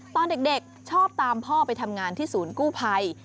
ตอนเด็กชอบตามพ่อไปทำงานที่ศูนย์กู้ภัย